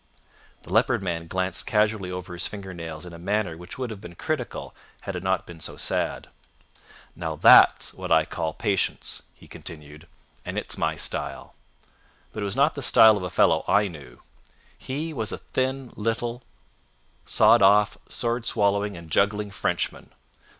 The Leopard Man glanced casually over his finger nails in a manner which would have been critical had it not been so sad. "Now, that's what I call patience," he continued, "and it's my style. But it was not the style of a fellow I knew. He was a little, thin, sawed off, sword swallowing and juggling Frenchman.